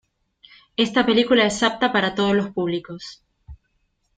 Esta película es apta para todos los públicos.